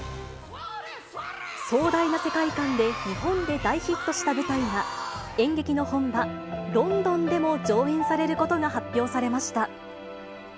壮大な世界観で日本で大ヒットした舞台が、演劇の本場、ロンドンでも上演されることが発表されました。